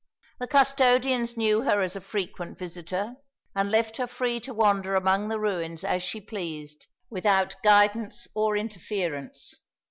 The custodians knew her as a frequent visitor, and left her free to wander among the ruins as she pleased, without guidance or interference.